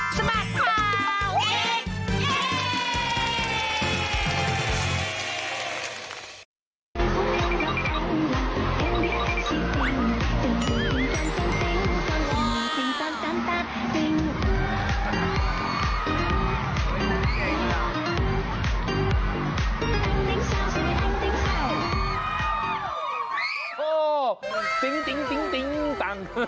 สบัดข่าวเด็ก